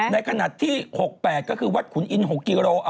ในขณะที่๖๘ก็คือวัดขุนอิน๖กิโล